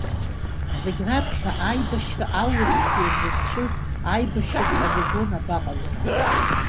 Зегь раԥхьа, аибашь-ра аурысқәа ианрызцәырҵ, аибашьратә полигон абаҟ-ало?